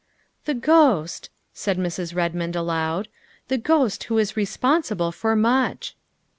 " The ghost," said Mrs. Redmond aloud, " the ghost who is responsible for much."